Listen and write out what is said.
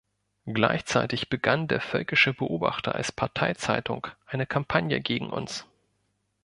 Gleichzeitig begann der „Völkische Beobachter“ als Parteizeitung eine Kampagne gegen uns.